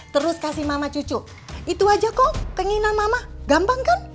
terus kasih mama cucu itu aja kok keinginan mama gampang kan